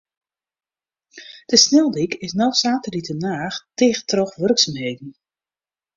De sneldyk is no saterdeitenacht ticht troch wurksumheden.